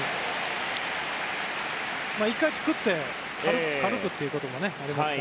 １回、作って軽くということもありますから。